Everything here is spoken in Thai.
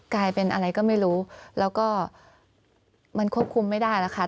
กลายเป็นอะไรก็ไม่รู้แล้วก็มันควบคุมไม่ได้แล้วค่ะ